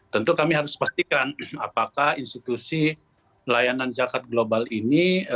tentu kami harus pastikan apakah institusi layanan zakat global ini